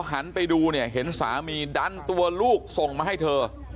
หันไปดูเนี่ยเห็นสามีดันตัวลูกส่งมาให้เธอ